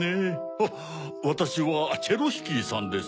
あっわたしはチェロヒキーさんです。